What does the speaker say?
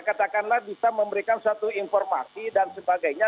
katakanlah bisa memberikan suatu informasi dan sebagainya